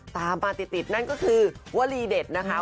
ตามมาติดนั่นก็คือวลีเด็ดนะคะ